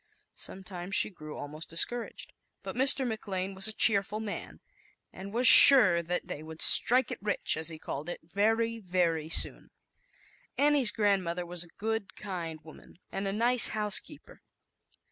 Sometimes she grew almost discouraged, but Mr. McLane was a cheerful man, and was sure that they would " strike it rich," as he called it, very, very soon. Annie's grandmother was a good, kind woman, and a nice housekeeper.